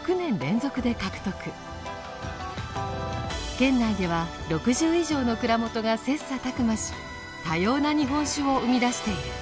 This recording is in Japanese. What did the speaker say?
県内では６０以上の蔵元が切磋琢磨し多様な日本酒を生み出している。